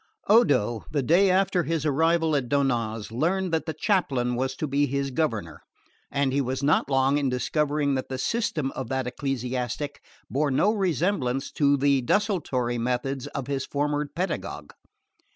Odo, the day after his arrival at Donnaz, learned that the chaplain was to be his governor; and he was not long in discovering that the system of that ecclesiastic bore no resemblance to the desultory methods of his former pedagogue.